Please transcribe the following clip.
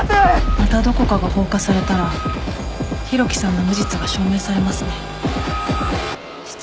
またどこかが放火されたら浩喜さんの無実が証明されますね。